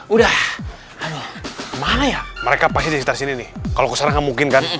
udah mereka mini kalau ke sana mungkin kan